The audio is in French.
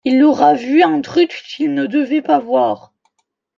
il aura vu un truc qu’il ne devait pas voir